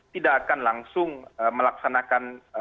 tidak akan langsung melaksanakan